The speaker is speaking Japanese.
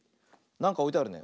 なんかおいてあるね。